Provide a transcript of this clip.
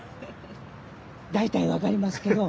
大体分かりますけど。